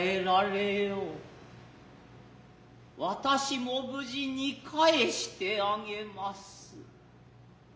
私も無事に帰してあげます。